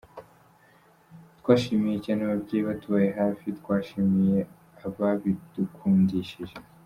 Twashimiye cyane ababyeyi batubaye hafi, twashimiye ababidukundishije.